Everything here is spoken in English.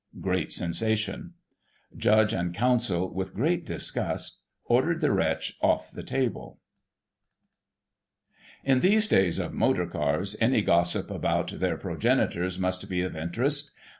(Great sensation.) Judge and Counsel, with great disgust, ordered the wretch off the table. In these days of Motor Cars, any gossip about their pro genitors must be of interest.